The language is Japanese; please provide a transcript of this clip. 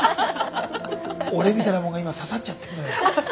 俺みたいなもんが今刺さっちゃってんのよ。